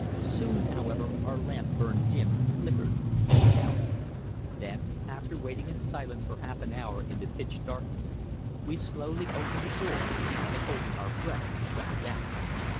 Soon, however, our lamp burned dim, flickered, and went out; then, after waiting in silence for half an hour in the pitch darkness, we softly opened the door, and, holding our breaths, crept out.